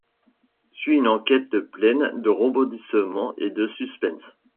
Suit une enquête pleine de rebondissements et de suspense.